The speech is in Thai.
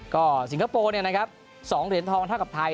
ก็สิงคโปร์เนี่ยนะครับ๒เหรียญทองเท่ากับไทย